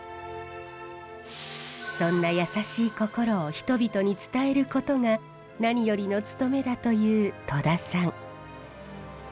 そんなやさしい心を人々に伝えることが何よりの務めだという戸田さん。